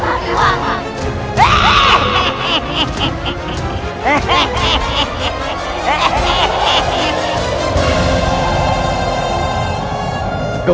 kau akan menang